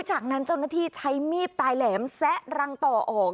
จากนั้นเจ้าหน้าที่ใช้มีดปลายแหลมแซะรังต่อออก